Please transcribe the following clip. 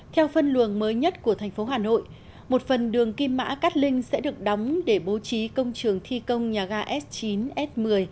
theo phân luồng mới nhất của thành phố hà nội một phần đường kim mã cát linh sẽ được đóng để bố trí công trường thi công nhà ga s chín s một mươi